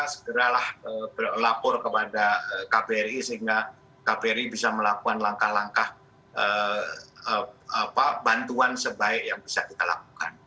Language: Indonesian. segeralah lapor kepada kbri sehingga kbri bisa melakukan langkah langkah bantuan sebaik yang bisa kita lakukan